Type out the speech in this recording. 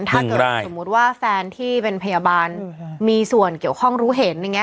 ถ้าเกิดสมมุติว่าแฟนที่เป็นพยาบาลมีส่วนเกี่ยวข้องรู้เห็นอย่างนี้